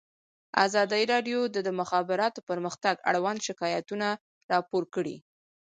ازادي راډیو د د مخابراتو پرمختګ اړوند شکایتونه راپور کړي.